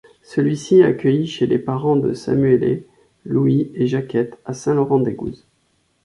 Celui-ci est accueilli chez les parents de Samuelet, Louis et Jacquette, à Saint-Laurent-d'Aigouze.